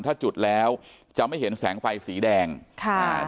ถ้าจุดแล้วจะไม่เห็นแสงไฟสีแดงค่ะ